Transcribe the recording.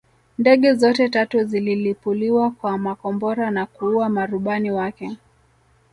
Ndege zote tatu zililipuliwa kwa makombora na kuua marubani wake